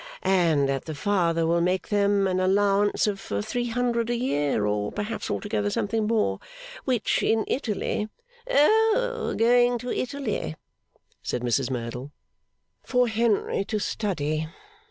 'And that the father will make them an allowance of three hundred a year, or perhaps altogether something more, which, in Italy ' 'Oh! Going to Italy?' said Mrs Merdle. 'For Henry to study.